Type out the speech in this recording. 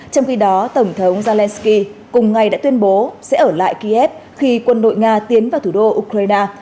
trong khi đó tổng thống zelenskyy cùng ngày đã tuyên bố sẽ ở lại kiev khi quân đội nga tiến vào thủ đô ukraine